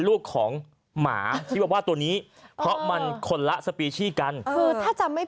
ลูกของหมาที่วาว่าตัวนี้เพราะมันคนละสปีชีกันเออถ้าจำไม่